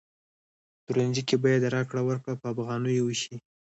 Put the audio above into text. پلورنځي کی باید راکړه ورکړه په افغانیو وشي